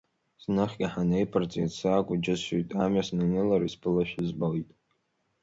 Зныхгьы ҳанеиԥырҵ иацы акәу џьысшьоит, амҩа снанылар, исԥылошәа збоит…